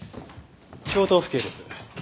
京都府警です。